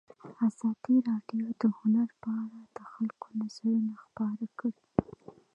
ازادي راډیو د هنر په اړه د خلکو نظرونه خپاره کړي.